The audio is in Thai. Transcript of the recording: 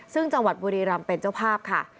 ซึ่งจังหวัดบุรีรำเป็นเจ้าภาพค่ะ